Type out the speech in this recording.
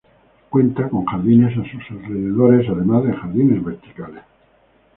Cuenta con jardines a sus alrededores además de jardines verticales.